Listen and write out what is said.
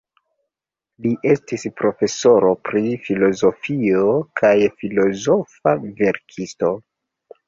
Li estis profesoro pri filozofio kaj filozofa verkisto.